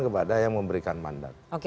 kepada yang memberikan mandat